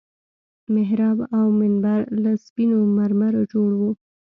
محراب او منبر له سپينو مرمرو جوړ وو.